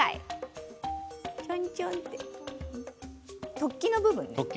ちょんちょんって突起の部分ね。